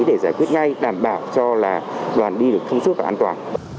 để giải quyết ngay đảm bảo cho là đoàn đi được thông suốt và an toàn